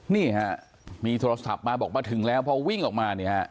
นี่ฮะมีโทรศัพท์มาบอกมาถึงแล้วพอวิ่งออกมาเนี่ยฮะ